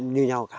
như nhau cả